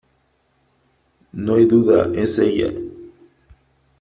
¡ no hay duda , es ella !